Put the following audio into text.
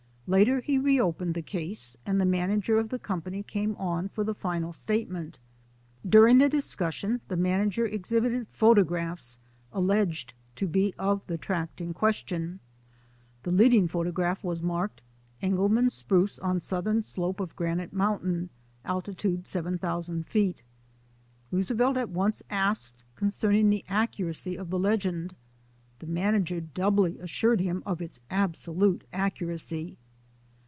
Later he re opened the case and the manager the company came on for the final statement. During the discussion the manager exhibited photo graphs alleged to be of the tract in question. The leading photograph was marked: "Engel mann spruce on southern slope of Granite Moun tain, altitude 7,000 feet." Roosevelt at once asked concerning the accuracy of the legend. The manager doubly assured him of its absolute ac curacy.